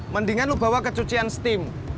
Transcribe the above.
mendingan lo bawa ke cucian steam